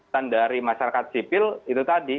dan dari masyarakat sipil itu tadi